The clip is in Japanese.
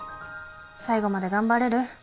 最後まで頑張れる？